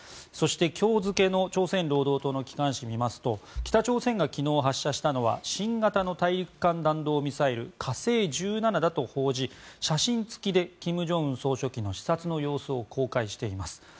そして、今日付の朝鮮労働党の機関紙を見ますと北朝鮮が昨日発射したのは新型の大陸間弾道ミサイル「火星１７」だと報じ写真付きで金正恩総書記の視察の様子を公開しています。